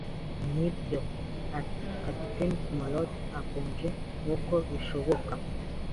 “Nibyo?” ati Kapiteni Smollett akonje nkuko bishoboka.